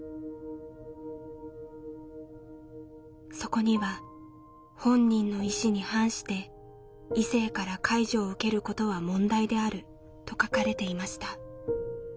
そこには「本人の意志に反して異性から介助を受けることは問題である」と書かれていました。